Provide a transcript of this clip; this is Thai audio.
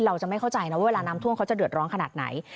เราจะไม่เข้าใจนะว่าเวลาน้ำท่วมเขาจะเดือดร้อนขนาดไหน